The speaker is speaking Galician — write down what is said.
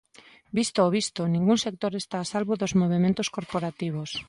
Visto o visto, ningún sector está a salvo dos movementos corporativos.